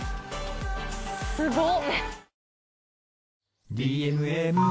すごっ。